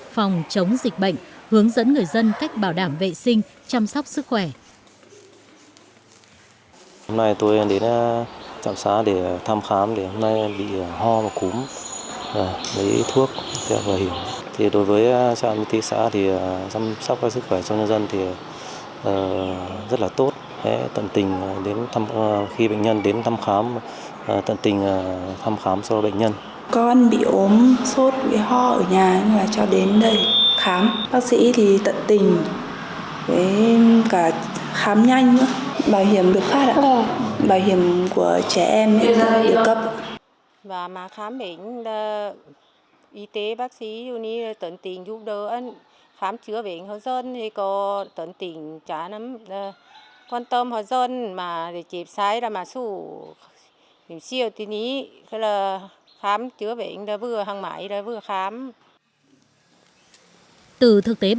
phòng chống dịch bệnh hướng dẫn người dân cách bảo đảm vệ sinh chăm sóc sức khỏe